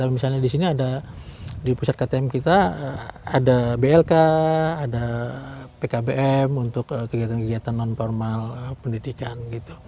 misalnya di sini ada di pusat ktm kita ada blk ada pkbm untuk kegiatan kegiatan non formal pendidikan